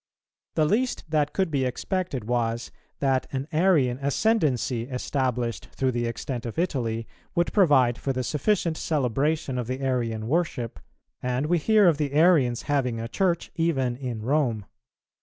The least that could be expected was, that an Arian ascendency established through the extent of Italy would provide for the sufficient celebration of the Arian worship, and we hear of the Arians having a Church even in Rome.